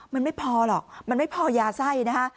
มันไม่พอหรอกมันไม่พอยาไส้นะคะ